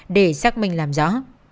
để xác minh làm rõ